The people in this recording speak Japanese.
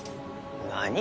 何？